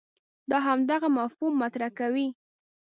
دا همدغه مفهوم مطرح کوي.